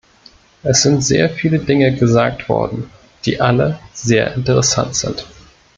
Es sind sehr viele Dinge gesagt worden, die alle sehr interessant sind.